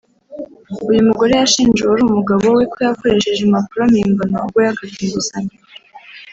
uyu mugore ngo yashinje uwari umugabo we ko yakoresheje impapuro mpimbano ubwo yakaga inguzanyo